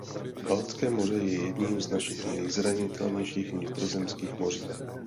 Baltské moře je jedním z našich nejzranitelnějších vnitrozemských moří.